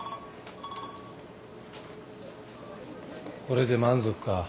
これで満足か？